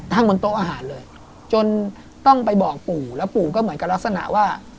บนโต๊ะอาหารเลยจนต้องไปบอกปู่แล้วปู่ก็เหมือนกับลักษณะว่า